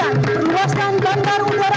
nusa tenggara timur